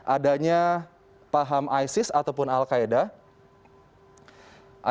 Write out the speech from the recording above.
adanya paham isis ataupun al qaeda